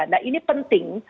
nah ini penting